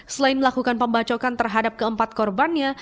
selain melakukan pembacokan terhadap keempat korbannya